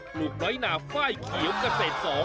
ปลูกน้อยน่าไฟ่เขียวกระเศษ๒